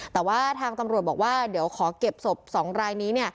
แต่ว่าทางตำรวจบอกว่าเดี๋ยวขอเก็บศพ๒รายนี้